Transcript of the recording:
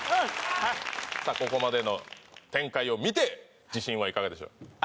ここまでの展開を見て自信はいかがでしょう？